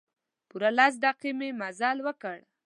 پوره لس دقیقې مې مزل وکړ.